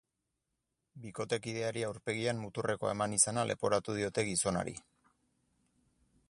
Bikotekideari aurpegian muturrekoa eman izana leporatu diote gizonari.